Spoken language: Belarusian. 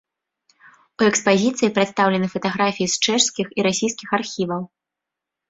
У экспазіцыі прадстаўлены фатаграфіі з чэшскіх і расійскіх архіваў.